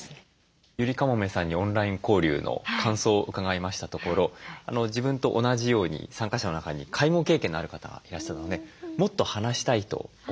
ゆりかもめさんにオンライン交流の感想を伺いましたところ自分と同じように参加者の中に介護経験のある方がいらっしゃるのでもっと話したいと思ったと。